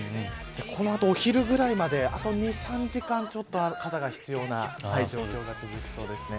この後、お昼ぐらいまであと２、３時間、傘が必要な天気が続きそうですね。